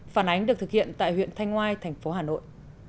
phản ánh được thực hiện tại huyện thanh ngoai thành phố hà nội